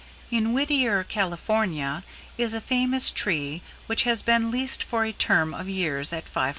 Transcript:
In Whittier, California, is a famous tree which has been leased for a term of years at $500.